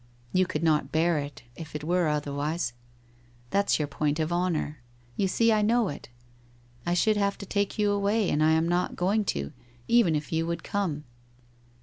You could not bear it if it were otherwise. That's your point of honour. You see I know it. I should have to take you away, and I am not going to, even if you would WHITE ROSE OF WEARY LEAF 137 come.